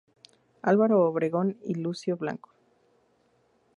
Álvaro Obregón y Lucio Blanco.